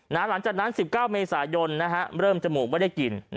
หลังจากนั้น๑๙เมษายนเริ่มจมูกไม่ได้กิน